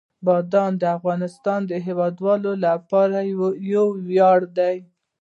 بادام د افغانستان د هیوادوالو لپاره یو ویاړ دی.